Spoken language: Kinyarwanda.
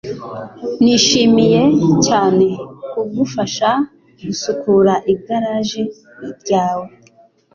Nishimiye cyane kugufasha gusukura igaraje ryawe